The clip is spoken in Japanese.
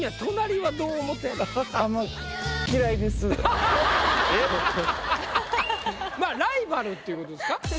あのまあライバルっていうことですか？